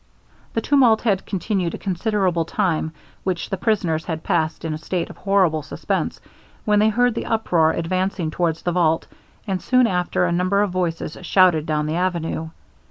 The tumult had continued a considerable time, which the prisoners had passed in a state of horrible suspence, when they heard the uproar advancing towards the vault, and soon after a number of voices shouted down the avenue.